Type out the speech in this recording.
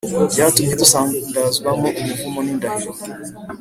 cyatumye dusandazwamo umuvumo n indahiro